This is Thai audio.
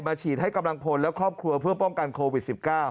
ฉีดให้กำลังพลและครอบครัวเพื่อป้องกันโควิด๑๙